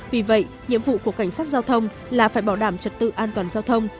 vì vậy nhiệm vụ của cảnh sát giao thông là phải bảo đảm trật tự an toàn giao thông